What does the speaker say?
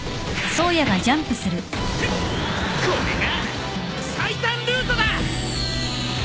これが最短ルートだ！